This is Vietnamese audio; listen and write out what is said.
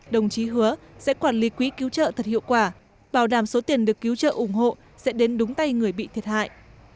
đồng chí hứa sẽ quản lý quỹ cứu trợ thật hiệu quả bảo đảm số tiền được cứu trợ ủng hộ sẽ đến đúng tay người bị thiệt hại